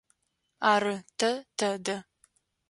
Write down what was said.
Ары, тэ тэдэ.